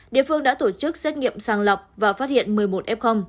địa phương đã tổ chức xét nghiệm sàng lọc và phát hiện một mươi một f